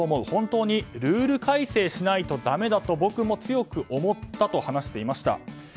本当にルール改正しないとだめだと僕も強く思ったと話していました。